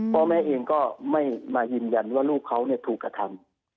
พ่อแม่เองก็ไม่มายืนยันว่าลูกเขาถูกกระทำ